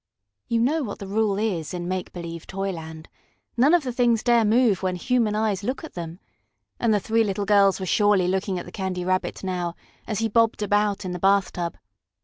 You know what the rule is in Make Believe Toyland none of the things dare move when human eyes look at them. And the three little girls were surely looking at the Candy Rabbit now, as he bobbed about in the bathtub.